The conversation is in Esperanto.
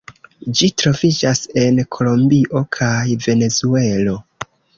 Ĝi troviĝas en Kolombio kaj Venezuelo.